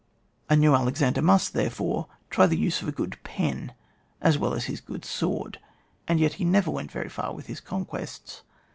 A new Alexander must therefore try the use of a good pen as well as his good flword ; and yet he never went very far with his conquests.